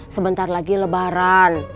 sebentar lagi lebaran